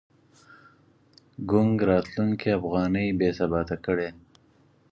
ګونګ راتلونکی افغانۍ بې ثباته کړې.